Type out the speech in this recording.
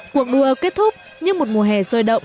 cuộc đua kết thúc như một mùa hè sôi động